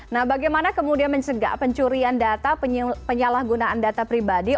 nah bagaimana kemudian mencegah pencurian data penyalahgunaan data pribadi